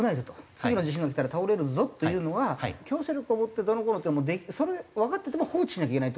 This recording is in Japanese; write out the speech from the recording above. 次の地震がきたら倒れるぞっていうのは強制力を持ってどうのこうのっていうのはそれわかってても放置しなきゃいけないって事なんですか？